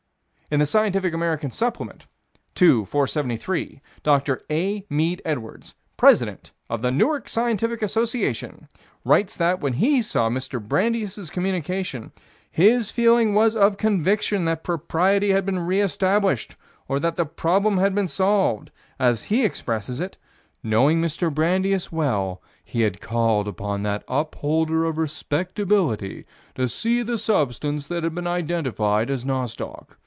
In the Scientific American Supplement, 2 473, Dr. A. Mead Edwards, President of the Newark Scientific Association, writes that, when he saw Mr. Brandeis' communication, his feeling was of conviction that propriety had been re established, or that the problem had been solved, as he expresses it: knowing Mr. Brandeis well, he had called upon that upholder of respectability, to see the substance that had been identified as nostoc.